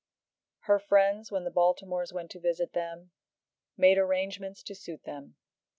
Her friends, when the Baltimores went to visit them, made arrangements to suit them.